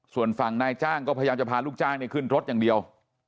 ส่วนฝั่งนายจ้างก็พยายามจะพาลูกจ้างขึ้นรถอย่างเดียว